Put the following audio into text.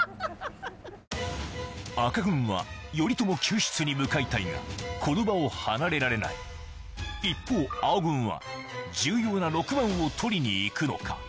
赤軍は頼朝救出に向かいたいがこの場を離れられない一方青軍は重要な６番を取りに行くのか？